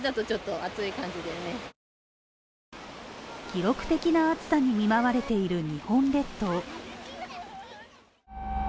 記録的な暑さに見舞われている日本列島。